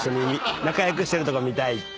仲良くしてるとこ見たいって。